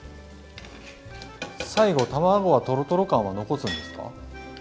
最後卵はトロトロ感は残すんですか？